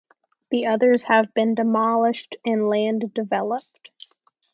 The others have been demolished and land developed.